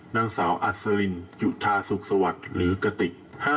๔นางสาวอัสลินอยุธาสุขสวรรคหรือกติก